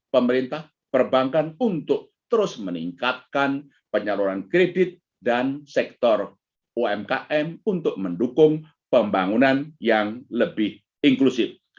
pemerintah perbankan untuk terus meningkatkan penyaluran kredit dan sektor umkm untuk mendukung pembangunan yang lebih inklusif